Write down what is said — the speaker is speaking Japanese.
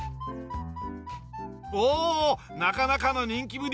おおなかなかの人気ぶり！